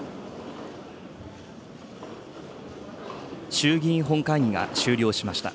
衆議院本会議が終了しました。